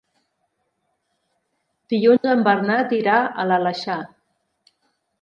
Dilluns en Bernat irà a l'Aleixar.